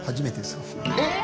えっ！